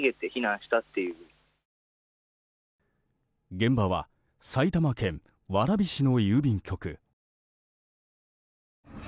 現場は埼玉県蕨市の郵便局。